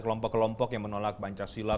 kelompok kelompok yang menolak pancasila